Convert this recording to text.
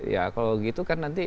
ya kalau gitu kan nanti